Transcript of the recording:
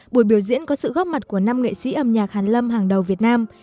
buổi biểu diễn có sự góp mặt của năm nghệ sĩ âm nhạc hàn lâm hàng đầu việt nam